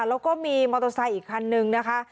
แล้วก็มีมอเตอร์ไซค์อีกคันนึงนะคะ